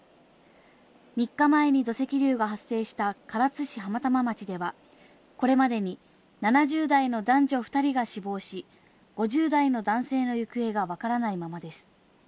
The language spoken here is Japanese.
３日前に土石流が発生した唐津市浜玉町では、これまでに７０代の男女２人が死亡し、５０代の男性の行方がわからないままです。